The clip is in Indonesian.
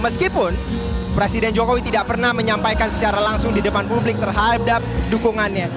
meskipun presiden jokowi tidak pernah menyampaikan secara langsung di depan publik terhadap dukungannya